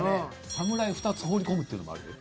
サムライ２つ放り込むっていうのもあるよ。